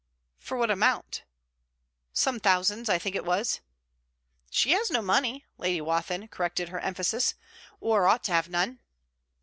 'For what amount' 'Some thousands, I think it was.' 'She has no money': Lady Wathin corrected her emphasis: 'or ought to have none.'